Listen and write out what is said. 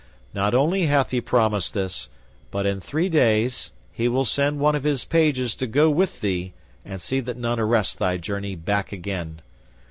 Not only hath he promised this, but in three days he will send one of his pages to go with thee and see that none arrest thy journey back again.